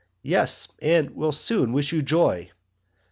Yes and will soon wish you joy.